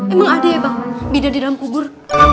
emang ada ya bang beda di dalam kubur